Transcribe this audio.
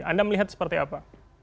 anda melihat seperti apa